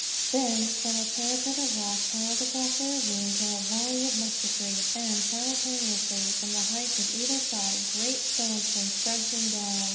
Then, from a parapet of rock piled across the ravine came a volley of musketry; and, simultaneously, from the heights of either side great stones came crashing down.